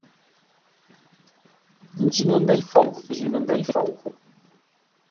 N njîno ndêi fou, n njîno ndêi fou.